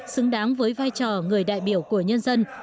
xứng đáng với vai trò người đại biểu của nhân dân